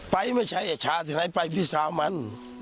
ไม่ใช่ไอ้ชาที่ไหนไปพี่สาวมัน